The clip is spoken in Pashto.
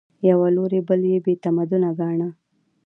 یوه لوري بل بې تمدنه ګاڼه